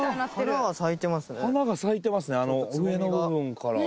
花が咲いてますね上の部分から。